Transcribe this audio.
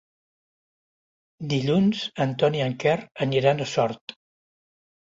Dilluns en Ton i en Quer aniran a Sort.